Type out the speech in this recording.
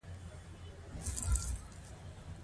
هغوی د کتاب په خوا کې تیرو یادونو خبرې کړې.